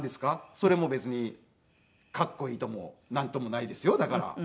それも別にかっこいいともなんともないですよだから。